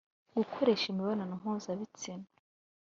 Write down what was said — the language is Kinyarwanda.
gukoresha imibonano mpuzabitsina